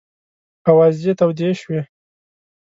آوازې تودې شوې.